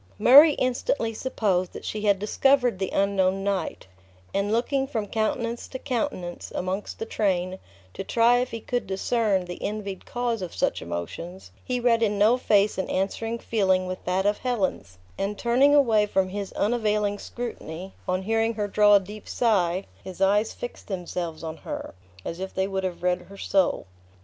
Murray instantly supposed that she had discovered the unknown knight; and looking from countenance to countenance, amongst the train, to try if he could discern the envied cause of such emotions, he read in no face an answering feeling with that of Helen's; and turning away from his unavailing scrutiny, on hearing her draw a deep sigh, his eyes fixed themselves on her, as if they would have read her soul.